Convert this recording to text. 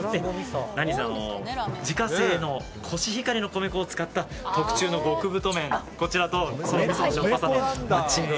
何せ自家製のコシヒカリの米粉を使った特注の極太麺とのマッチング。